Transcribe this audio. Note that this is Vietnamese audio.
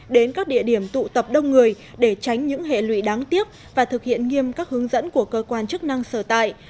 đến các địa điểm tụ tập đông người để tránh những hệ lụy đáng tiếc và thực hiện nghiêm các hướng dẫn của cơ quan chức năng sở tại